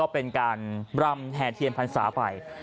เป็นการแภเทียนพันธ์ศาสตร์ไป